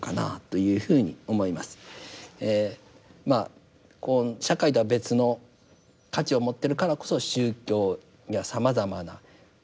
まあ社会とは別の価値を持ってるからこそ宗教にはさまざまな棘も毒もある。